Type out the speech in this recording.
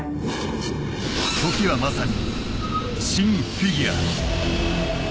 時はまさにシン・フィギュア。